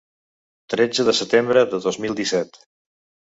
Tretze de setembre de dos mil disset.